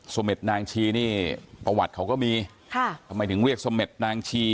เม็ดนางชีนี่ประวัติเขาก็มีค่ะทำไมถึงเรียกเสม็ดนางชี